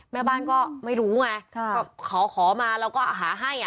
แม่บ้านก็ไม่รู้ไงก็ขอมาแล้วก็หาให้อ่ะ